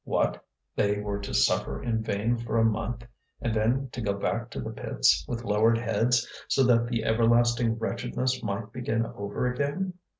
What! They were to suffer in vain for a month, and then to go back to the pits, with lowered heads, so that the everlasting wretchedness might begin over again!